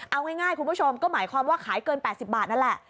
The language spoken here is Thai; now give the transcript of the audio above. เอาง่ายคุณผู้ชมก็หมายความว่าขายเกิน๘๐บาทนั่นแหละ